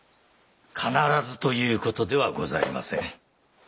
必ずという事ではございません。